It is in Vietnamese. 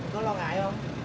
có lo ngại không